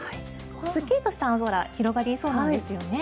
すっきりとした青空が広がりそうなんですよね。